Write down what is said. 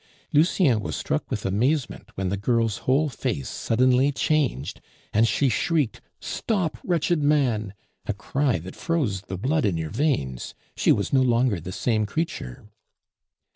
Lucien was struck with amazement when the girl's whole face suddenly changed, and she shrieked, "Stop, wretched man!" a cry that froze the blood in your veins. She was no longer the same creature.